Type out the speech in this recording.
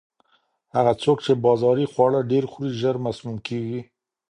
هغه څوک چې بازاري خواړه ډېر خوري، ژر مسموم کیږي.